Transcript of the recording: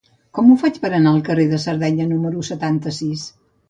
Com ho faig per anar al carrer de Sardenya número setanta-sis?